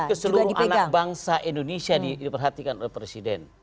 ini dianggut ke seluruh anak bangsa indonesia diperhatikan oleh presiden